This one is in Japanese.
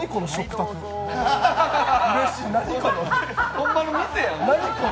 ホンマの店やん。